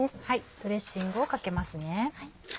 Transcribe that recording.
ドレッシングをかけますね。